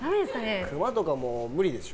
クマとかも無理でしょ。